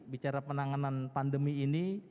bicara penanganan pandemi ini